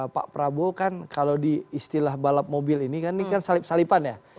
pak prabowo kan kalau di istilah balap mobil ini kan salip salipan ya